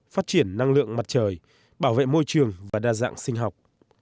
phát triển năng lượng mặt trời bảo vệ môi trường và đa dạng sinh học